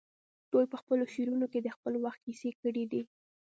دوی په خپلو شعرونو کې د خپل وخت کیسې کړي دي